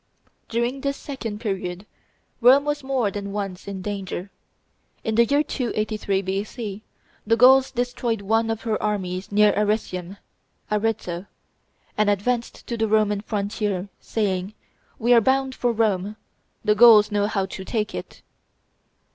During this second period Rome was more than once in danger. In the year 283 B.C. the Gauls destroyed one of her armies near Aretium (Arezzo), and advanced to the Roman frontier, saying, "We are bound for Rome; the Gauls know how to take it."